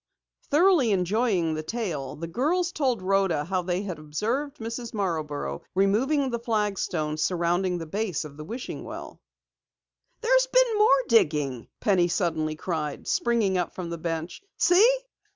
Thoroughly enjoying the tale, the girls told Rhoda how they had observed Mrs. Marborough removing the flagstones surrounding the base of the wishing well. "There's been more digging!" Penny suddenly cried, springing up from the bench. "See!"